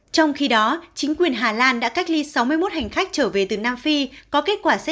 trong khi đó chính quyền hà lan đã cách ly sáu mươi một hành khách trở về từ nam phi có kết quả xét